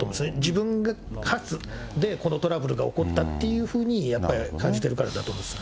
自分がかつ、トラブルが起こったってやっぱり感じてるからだと思います。